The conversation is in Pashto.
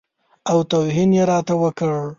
او توهین یې راته وکړ.